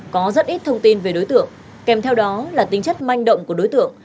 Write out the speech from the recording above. có rất ít thông tin về đối tượng kèm theo đó là tính chất manh động của đối tượng